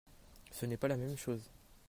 Ce n’est pas la même chose